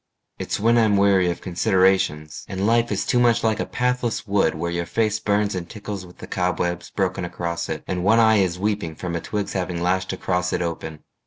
It's when I'm weary of considerations, And life is too much like a pathless wood Where your face burns and tickles with the cobwebs Broken across it, and one eye is weeping From a twig's having lashed across it open.